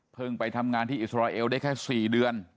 ไปทำงานที่อิสราเอลได้แค่๔เดือน